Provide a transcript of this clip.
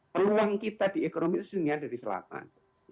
peluang kita di ekonomi itu sehingga dari selatan